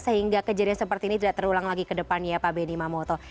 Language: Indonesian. sehingga kejadian seperti ini tidak terulang lagi ke depannya pak benny mamoto